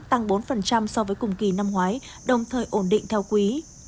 tăng bốn so với cùng kỳ năm ngoái đồng thời ổn định theo quý